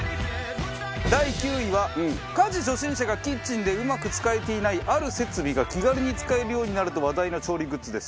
第９位は家事初心者がキッチンでうまく使えていないある設備が気軽に使えるようになると話題の調理グッズです。